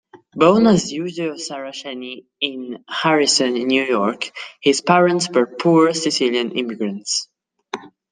Born as Eugenio Saraceni in Harrison, New York, his parents were poor Sicilian immigrants.